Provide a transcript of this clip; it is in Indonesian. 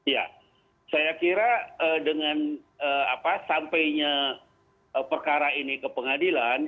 ya saya kira dengan sampainya perkara ini ke pengadilan